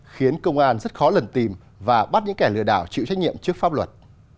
khiến công an rất khó lần tìm và bắt những kẻ lừa đảo chịu trách nhiệm trước pháp luật